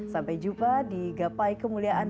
sampai jumpa di gapai kemuliaan